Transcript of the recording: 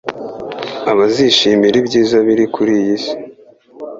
Abazishimira ibyiza biri kuri iyi si